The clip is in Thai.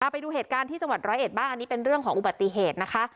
ไปดูเหตุการณ์ที่จังหวัดร้อยเอ็ดบ้างอันนี้เป็นเรื่องของอุบัติเหตุนะคะ